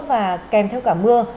và kèm theo cả mưa